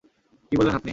কী বললেন আপনি?